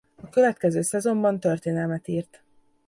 A következő szezonban történelmet írt.